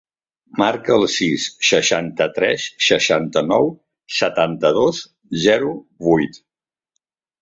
Marca el sis, seixanta-tres, seixanta-nou, setanta-dos, zero, vuit.